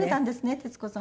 徹子さん